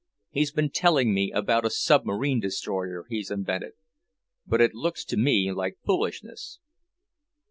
He's been telling me about a submarine destroyer he's invented, but it looks to me like foolishness."